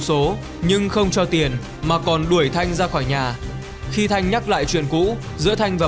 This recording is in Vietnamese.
số nhưng không cho tiền mà còn đuổi thanh ra khỏi nhà khi thanh nhắc lại chuyện cũ giữa thanh và